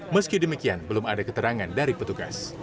meski demikian belum ada keterangan dari petugas